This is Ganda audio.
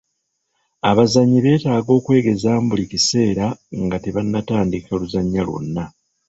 Abazannyi beetaaga okwegezaamu buli kiseera nga tebannatandika luzannya lwonna.